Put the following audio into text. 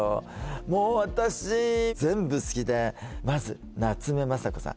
もう私全部好きでまず夏目雅子さん